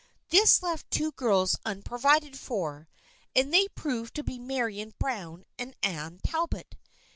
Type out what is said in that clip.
This left two girls unprovided for, and they proved to be Marian Browne and Anne Talbot.